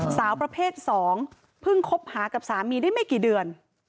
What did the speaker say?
สาวประเภท๒เพิ่งคบหากับสามีได้ไม่กี่เดือน